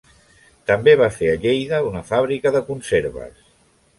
També va fer a Lleida una fàbrica de conserves.